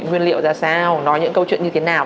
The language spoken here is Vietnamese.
nguyên liệu ra sao nói những câu chuyện như thế nào